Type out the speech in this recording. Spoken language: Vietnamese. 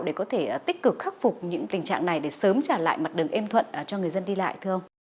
để có thể tích cực khắc phục những tình trạng này để sớm trả lại mặt đường êm thuận cho người dân đi lại thưa ông